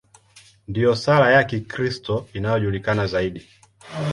Ndiyo sala ya Kikristo inayojulikana zaidi.